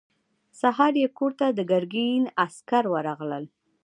سهار يې کور ته د ګرګين عسکر ورغلل.